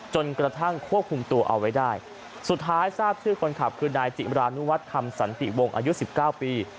จนกระทั่งควบคุมตัวเอาไว้ได้สุดท้ายทราบชื่อคนขับคือนายจิมรานุวัฒน์คำสันติวงอายุ๑๙ปี